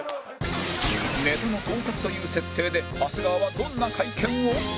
ネタの盗作という設定で長谷川はどんな会見を？